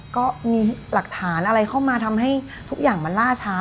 ก็มีหลักฐานอะไรเข้ามาทำให้ทุกอย่างมันล่าช้า